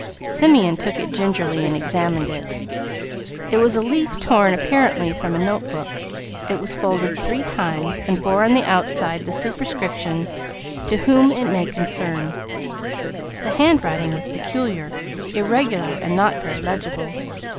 Simeon took it gingerly and examined it. It was a leaf torn apparently from a note book. It was folded three times, and bore on the outside the superscription "To whom it may concern." The handwriting was peculiar, irregular, and not very legible.